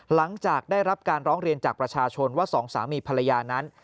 หลังจากได้รับการร้องเรียนจากประชาชนว่าสองสามีภรรยานั้น